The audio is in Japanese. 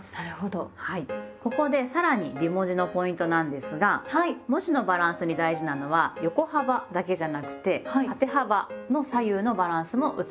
ここでさらに美文字のポイントなんですが文字のバランスに大事なのは横幅だけじゃなくて縦幅の左右のバランスも美しさのポイントです。